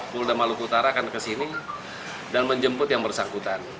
polda maluku utara akan kesini dan menjemput yang bersangkutan